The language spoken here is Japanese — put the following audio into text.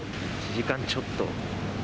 １時間ちょっと。